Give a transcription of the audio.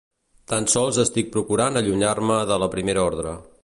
Tan sols estic procurant allunyar-me de la Primera Ordre.